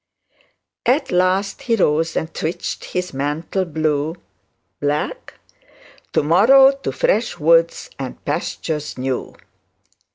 'At last he rose, and twitched his mantle blue, To morrow to fresh woods and pastures new.'